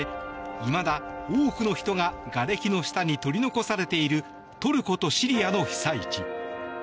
いまだ多くの人ががれきの下に取り残されているトルコとシリアの被災地。